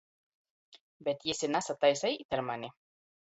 Bet jis i nasataisa īt ar mani.